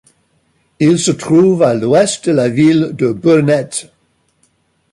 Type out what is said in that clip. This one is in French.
Il se trouve à l'ouest de la ville de Burnet.